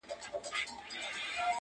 غټي سترگي شينكى خال د چا د ياد-